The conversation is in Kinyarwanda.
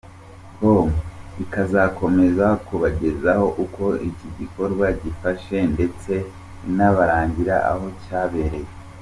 com ikazakomeza kubagezaho uko igi gikorwa kifashe ndetse inabarangira aho cyabereye.